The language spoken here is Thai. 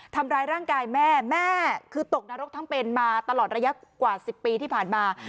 ทำร้ายร่างกายแม่แม่คือตกนรกทั้งเป็นมาตลอดระยะกว่า๑๐ปีที่ผ่านมา